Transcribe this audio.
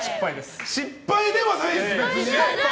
失敗ではないでしょ、別に！